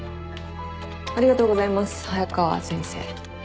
ありがとうございます早川先生。